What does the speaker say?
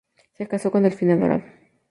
Se casó con Delfina Dorado.